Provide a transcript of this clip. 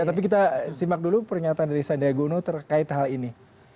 tapi kita simak dulu pernyataan dari sandiagono terkait hal ini